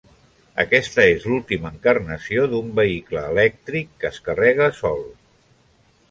Aquesta és l'última encarnació d'un vehicle elèctric que es carrega sol.